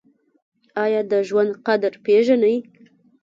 ایا د ژوند قدر پیژنئ؟